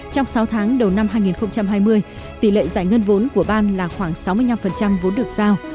trong sáu tháng đầu năm hai nghìn hai mươi tỷ lệ giải ngân vốn của ban là khoảng sáu mươi năm vốn được giao